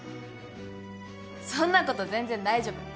そんなこと全然大丈夫。